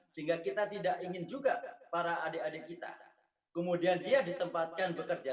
sehingga kita tidak ingin juga para adik adik kita kemudian dia ditempatkan bekerja